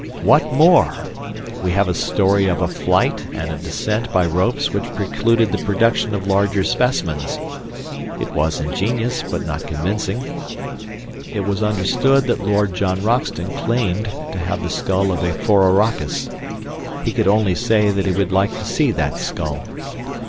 } What more? We have a story of a flight and a descent by ropes which precluded the production of larger specimens. It was ingenious, but not convincing. It was understood that Lord John Roxton claimed to have the skull of a phororachus. He could only say that he would like to see that skull.